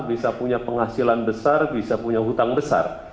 bisa punya penghasilan besar bisa punya hutang besar